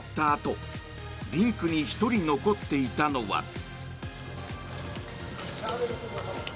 あとリンクに１人残っていたのは。